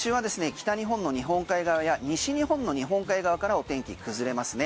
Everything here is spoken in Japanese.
北日本の日本海側や西日本の日本海側からお天気崩れますね。